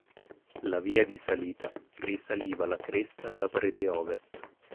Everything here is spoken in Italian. La via di salita risaliva la cresta e la parete ovest.